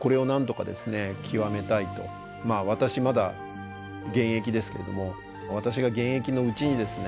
私まだ現役ですけれども私が現役のうちにですね